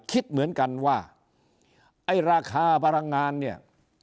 คิดเหมือนกันว่าไอ้ราคาพลังงานเนี่ย